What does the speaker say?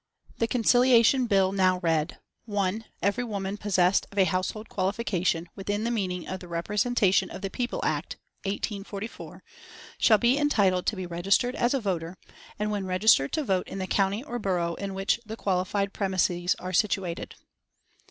The Conciliation Bill now read: "1. Every woman possessed of a household qualification within the meaning of the Representation of the People Act (1884) shall be entitled to be registered as a voter, and when registered to vote in the county or borough in which the qualifying premises are situated.